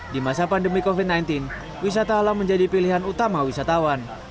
di masa pandemi covid sembilan belas wisata alam menjadi pilihan utama wisatawan